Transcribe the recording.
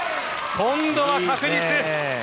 今度は確実。